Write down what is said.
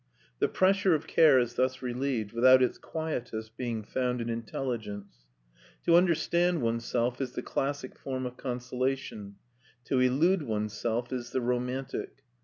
The pressure of care is thus relieved, without its quietus being found in intelligence. To understand oneself is the classic form of consolation; to elude oneself is the romantic.